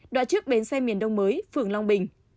đoạn trước bến xe miền đông mới phường long bình